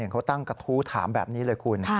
เขาตั้งกระทู้ถามแบบนี้เลยคุณ